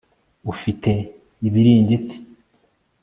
ufite ibiringiti